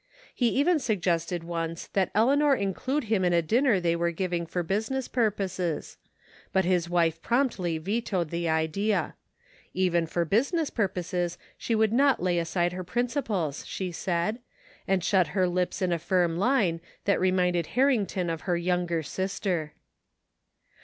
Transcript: He even suggested once that Eleanor include him in a dinner they were giving for business purposes; but his wife promptly vetoed the idea. Even for business 249 THE FINDING OF JASPER HOLT purposes she would not lay aside her principles, she said, and shut her lips in a firm line that reminded Harrington of her yoimger sister.